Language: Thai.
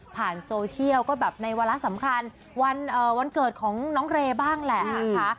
ผ่านโซเชียลก็แบบในวันละสำคัญวันเกิดของน้องเรบ้างแหละค่ะ